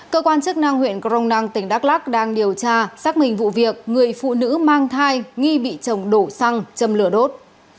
cơ quan chức năng huyện crong năng tỉnh đắk lắc đang điều tra xác minh vụ việc người phụ nữ mang thai nghi bị chồng đổ xăng châm lửa đốt